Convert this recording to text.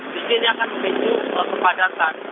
sehingga ini akan memicu kepadatan